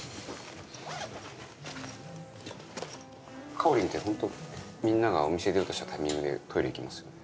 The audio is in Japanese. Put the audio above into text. かおりんってホントみんながお店出ようとしたタイミングでトイレ行きますよね。